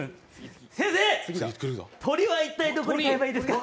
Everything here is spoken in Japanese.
先生、鳥は一体どこに飼えばいいですか？